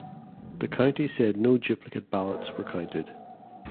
The county said no duplicate ballots were counted.